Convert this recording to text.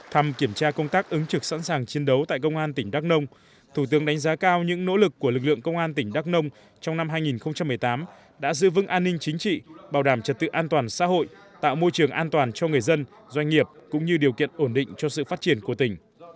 thăm kiểm tra công tác ứng trực sẵn sàng chiến đấu tại công an tỉnh đắk nông thủ tướng đánh giá cao những nỗ lực của lực lượng công an tỉnh đắk nông trong năm hai nghìn một mươi tám đã giữ vững an ninh chính trị bảo đảm trật tự an toàn xã hội tạo môi trường an toàn cho người dân doanh nghiệp cũng như điều kiện ổn định cho sự phát triển của tỉnh